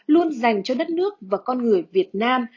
luôn dành cho đất nước và con người việt nam